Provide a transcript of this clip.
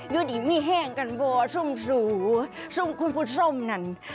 ยุดี้ไม่แห้งกันบ่สุ่มสุ่มขุมพรุทธส้มนั่น